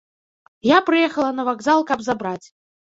Я прыехала на вакзал, каб забраць.